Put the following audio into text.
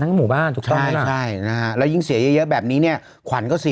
ทางด้านตอนนี้จะผูกกับมัน